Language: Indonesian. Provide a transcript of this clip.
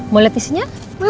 mau lihat isinya